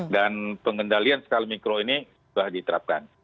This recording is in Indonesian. dan pengendalian skala mikro ini sudah diterapkan